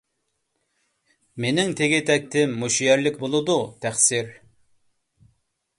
مېنىڭ تېگى - تەكتىم مۇشۇ يەرلىك بولىدۇ، تەقسىر.